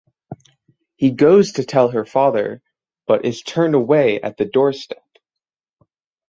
He goes to tell her father but is turned away at the doorstep.